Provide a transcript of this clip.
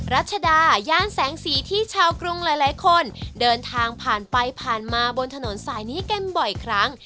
รัชดาย่านแสงสีที่ชาวกรุงหลายคนเดินทางผ่านไปผ่านมาบนถนนสายนี้กันบ่อยครั้ง